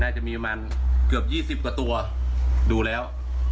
จะมีประมาณเกือบ๒๐กว่าตัวดูแล้ว